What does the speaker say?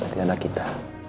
berhati hati anak kita